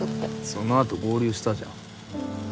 そのあと合流したじゃん。